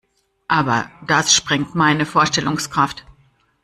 Aber das sprengt meine Vorstellungskraft.